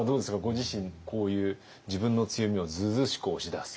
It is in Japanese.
ご自身こういう自分の強みをずうずうしく押し出す。